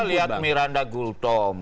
kita lihat miranda gultom